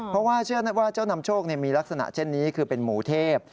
เพราะว่าเชื่อว่าเจ้านำโชคมีลักษณะเช่นนี้คือเป็นหมูเทพ